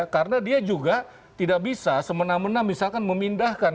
karena dia juga tidak bisa semena mena misalkan memindahkan